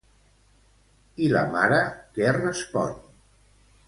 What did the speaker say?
I la mare què respon?